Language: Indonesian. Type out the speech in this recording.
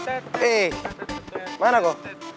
eh mana gua